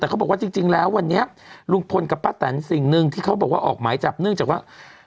แต่เขาบอกว่าจริงแล้ววันนี้ลุงพลกับป้าแตนสิ่งหนึ่งที่เขาบอกว่าออกหมายจับเนื่องจากว่า